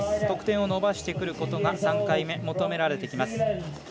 得点を伸ばしてくることが３回目求められてきます。